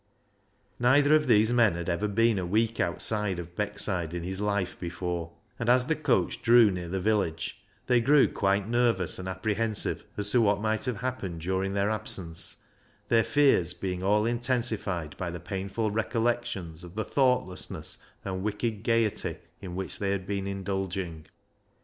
Neither of these men had ever been a week out of Beckside in his life before, and as the coach drew near the village they grew quite nervous and apprehensive as to what might have happened during their absence, their fears being all intensified by the painful recollections of the thoughtless and wicked gaiety in which they had been indulging.